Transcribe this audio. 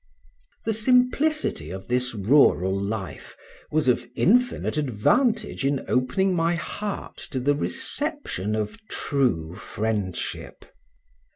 The simplicity of this rural life was of infinite advantage in opening my heart to the reception of true friendship.